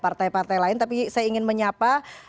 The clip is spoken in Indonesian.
partai partai lain tapi saya ingin menyapa